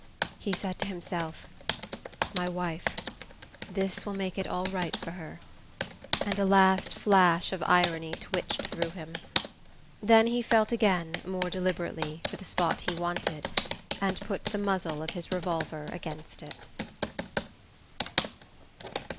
He said to himself: "My wife ... this will make it all right for her...." and a last flash of irony twitched through him. Then he felt again, more deliberately, for the spot he wanted, and put the muzzle of his revolver against it.